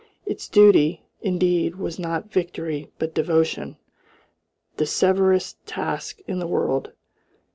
Its duty, indeed, was not victory but devotion, the severest task in the world.